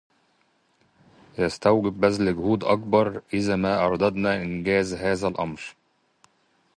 يستوجب بذل جهود أكبر؛ إذا ما أردنا إنجاز هذا الأمر.